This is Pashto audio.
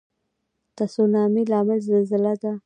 د تسونامي لامل زلزله ده.